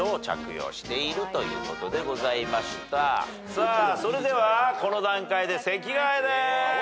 さあそれではこの段階で席替えでーす！